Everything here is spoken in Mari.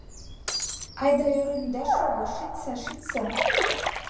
— Айда ӧрын ида шого, шичса, шичса.